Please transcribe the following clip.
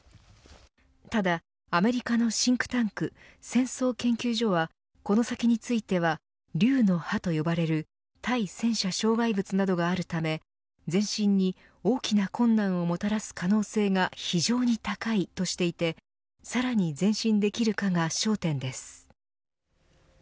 ただ、アメリカのシンクタンク戦争研究所はこの先については竜の歯と呼ばれる対戦車障害物などがあるため前進に大きな困難をもたらす可能性が非常に高いとしていてさらに前進できるかが焦点です。